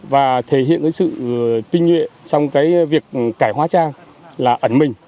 và thể hiện sự tinh nhuệ trong việc cải hóa trang là ẩn mình